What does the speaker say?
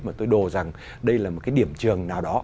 mà tôi đồ rằng đây là một cái điểm trường nào đó